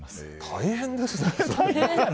大変ですね。